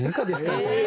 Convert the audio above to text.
みたいな。